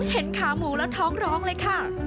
ขาหมูแล้วท้องร้องเลยค่ะ